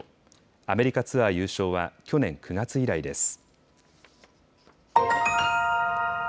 アメリカツアー優勝は去年９月以来です。